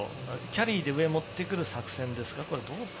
キャリーで上に持ってくる作戦ですか。